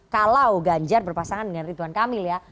kalau ganjar berpasangan dengan ridwan kamil ya